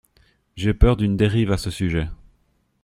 J’ai peur d’une dérive à ce sujet.